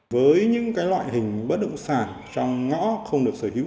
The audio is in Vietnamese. với những loại hình bất động sản trong ngõ không được sở hữu